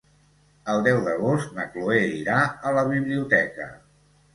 El deu d'agost na Cloè irà a la biblioteca.